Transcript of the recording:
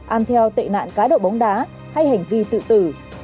an theo tệ nạn cá độ bóng đá hay hành vi tự tử